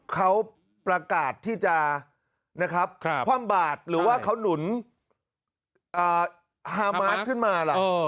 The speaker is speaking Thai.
เขาประกาศที่จะคว่ำบาดหรือว่าเขานุนฮามาสขึ้นมา